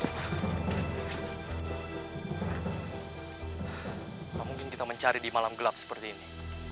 tidak mungkin kita mencari di malam gelap seperti ini